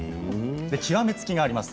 極め付きがあります。